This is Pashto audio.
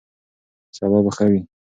سبا به ښه وي.